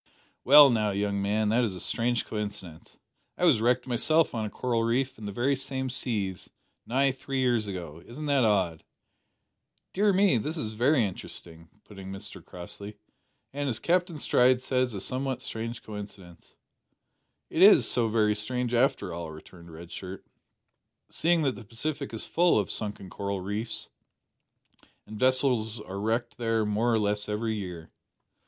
"Well now, young man, that is a strange coincidence. I was wrecked myself on a coral reef in the very same seas, nigh three years ago. Isn't that odd?" "Dear me, this is very interesting," put in Mr Crossley; "and, as Captain Stride says, a somewhat strange coincidence." "Is it so very strange, after all," returned Red Shirt, "seeing that the Pacific is full of sunken coral reefs, and vessels are wrecked there more or less every year?"